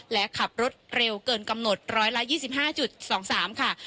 และขับรถเร็วเกินกำหนด๑๒๕๒๓ค่ะ